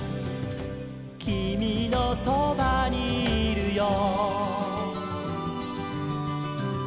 「きみのそばにいるよ」